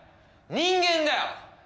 人間だよ！